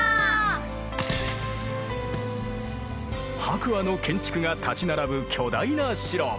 白亜の建築が立ち並ぶ巨大な城。